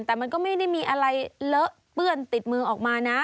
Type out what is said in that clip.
แต่มันก็ไม่ได้มีอะไรเลอะเปื้อนติดมือออกมานะ